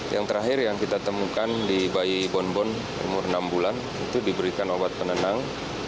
yang terakhir yang kita temukan di bayi bonbon umur enam bulan itu diberikan obat penenang